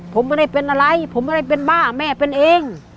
ผมไม่ได้เป็นอะไรผมไม่ได้เป็นบ้าแม่เป็นเอง